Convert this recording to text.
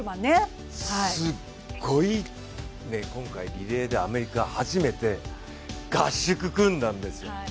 すごい、今回リレーでアメリカは初めて合宿を組んだんですよ。